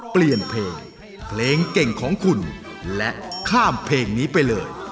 เปลี่ยนเพลงเพลงเก่งของคุณและข้ามเพลงนี้ไปเลย